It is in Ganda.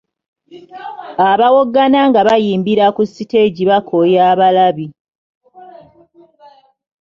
Abawoggana nga bayimbira ku siteegi bakooya abalabi.